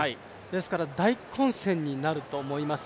ですから大混戦になると思います。